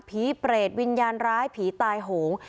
ผีเปรตวิญญาณร้ายผีตายโหง